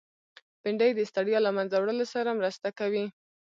بېنډۍ د ستړیا له منځه وړلو سره مرسته کوي